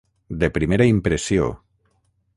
De primera impressió.